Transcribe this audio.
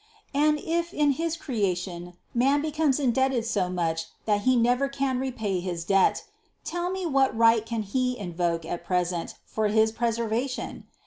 And if in his creation man becomes indebted so much that he never can pay his debt, tell me what right can he invoke at present for his preservation?